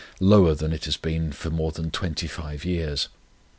lower than it has been for more than twenty five years.